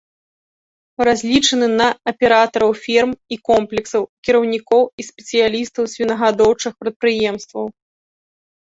Разлічаны на аператараў ферм і комплексаў, кіраўнікоў і спецыялістаў свінагадоўчых прадпрыемстваў.